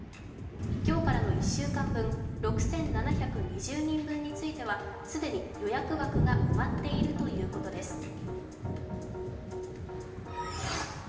今日からの１週間分、６７２０人分については既に予約枠が埋まっているということです。